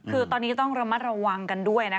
คือตอนนี้ก็ต้องระมัดระวังกันด้วยนะคะ